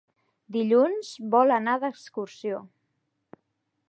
Dilluns vol anar d'excursió.